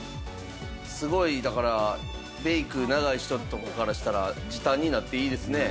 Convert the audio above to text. すごいだからメイク長い人とかからしたら時短になっていいですね。